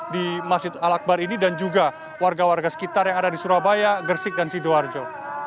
di masjid al akbar ini dan juga warga warga sekitar yang ada di surabaya gersik dan sidoarjo